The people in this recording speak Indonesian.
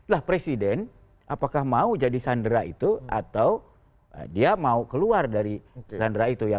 lah presiden apakah mau jadi sandera itu atau dia mau keluar dari sandera itu ya